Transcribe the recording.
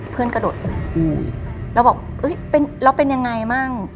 เพื่อนกระโดดตึกแล้วบอกแล้วเป็นยังไงมั่ง